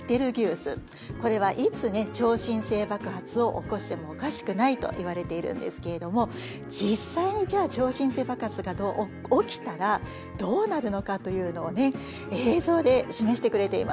これはいつね超新星爆発を起こしてもおかしくないといわれているんですけれども実際にじゃあ超新星爆発が起きたらどうなるのかというのをね映像で示してくれています。